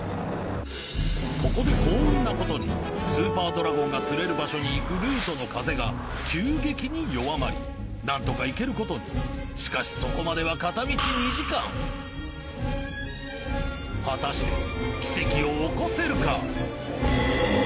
ここで幸運なことにスーパードラゴンが釣れる場所に行くルートの風が急激に弱まり何とか行けることにしかしそこまでは片道２時間果たして奇跡を起こせるか？